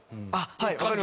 はい。